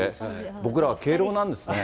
僕らは敬老なんですね。